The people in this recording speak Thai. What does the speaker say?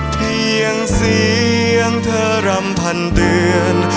เพียงเสียงเธอรำพันตื่น